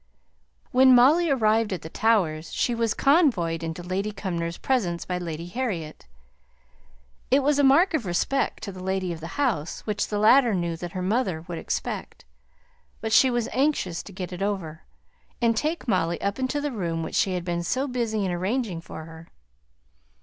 When Molly arrived at the Towers she was convoyed into Lady Cumnor's presence by Lady Harriet. It was a mark of respect to the lady of the house, which the latter knew that her mother would expect; but she was anxious to get it over, and take Molly up into the room which she had been so busy arranging for her.